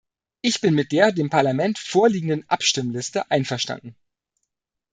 Ich bin mit der dem Parlament vorliegenden Abstimmliste einverstanden.